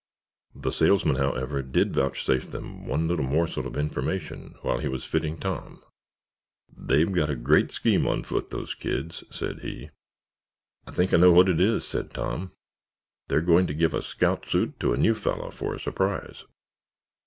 The salesman, however, did vouchsafe them one little morsel of information while he was fitting Tom. "They've got a great scheme on foot, those kids," said he. "I think I know what it is," said Tom. "They're going to give a scout suit to a new fellow for a surprise."